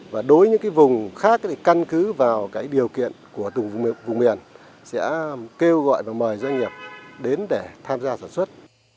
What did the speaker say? và đối với những cái vùng khác thì căn cứ vào cái điều kiện của từng vùng miền sẽ kêu gọi và mời doanh nghiệp đến để tham gia sản xuất